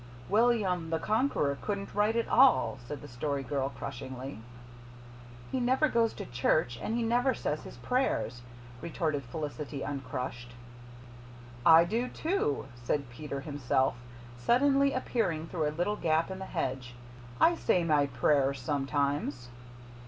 "William the Conqueror couldn't write at all," said the Story Girl crushingly. "He never goes to church, and he never says his prayers," retorted Felicity, uncrushed. "I do, too," said Peter himself, suddenly appearing through a little gap in the hedge. "I say my prayers sometimes."